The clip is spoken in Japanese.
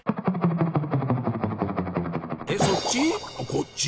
こっち？